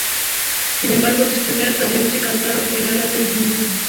Sin embargo, sus primeras canciones, se cantaron en árabe argelino.